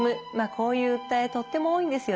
こういう訴えとっても多いんですよね。